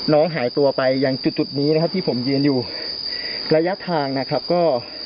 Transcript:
น้องหายตัวไปยังจุดที่ผมยืนอยู่ระยะทางนะครับก็